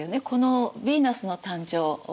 この「ヴィーナスの誕生」